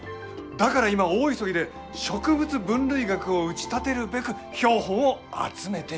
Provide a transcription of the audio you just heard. だから今大急ぎで植物分類学を打ち立てるべく標本を集めている。